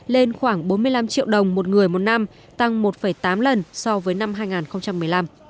lên khoảng bốn mươi năm triệu đồng một người một năm tăng một tám lần so với năm hai nghìn một mươi năm